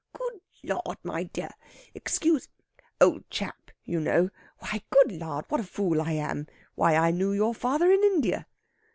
"Good Lard, my dear excuse old chap, you know! why, good Lard, what a fool I am! Why, I knoo your father in India."